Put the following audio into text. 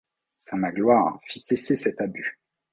Saint Magloire fit cesser cet abus.